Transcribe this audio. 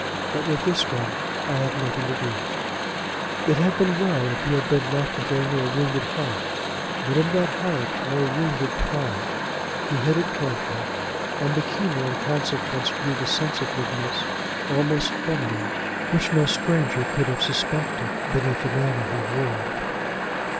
But with this one I have nothing to do. It had been well if he had been left with only a wounded heart, but in that heart lay wounded pride. He hid it carefully, and the keener in consequence grew the sensitiveness, almost feminine, which no stranger could have suspected beneath the manner he wore.